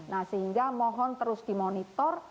nah sehingga mohon terus dimonitor